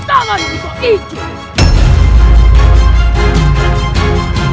tanganmu ke ijau